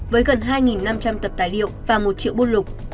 với gần hai năm trăm linh tập tài liệu và một triệu bôn lục